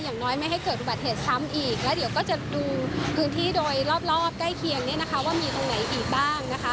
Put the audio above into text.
อย่างน้อยไม่ให้เกิดบรรเทศซ้ำอีกแล้วเดี๋ยวก็จะดูคือยือที่โดยรอบใกล้เคียงว่ามีตรงไหนอีกบ้าง